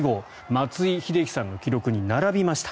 松井秀喜さんの記録に並びました。